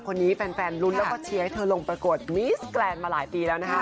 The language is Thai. คนนี้แฟนลุ้นแล้วก็เชียร์ให้เธอลงประกวดมิสแกรนด์มาหลายปีแล้วนะคะ